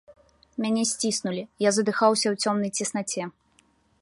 Мяне сціснулі, я задыхаўся ў цёмнай цеснаце.